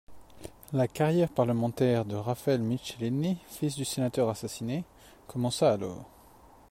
La carrière parlementaire de Rafael Michelini, fils du sénateur assassiné, commença alors.